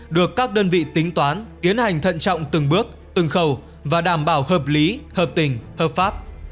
được các đơn vị tính toán tiến hành thận trọng từng bước từng khâu và đảm bảo hợp lý hợp tình hợp pháp